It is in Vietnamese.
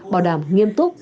bảo đảm nghiêm túc